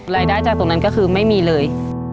รายได้จากตรงนั้นก็คือไม่มีเลย